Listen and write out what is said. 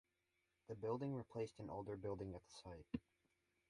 The building replaced an older building at the site.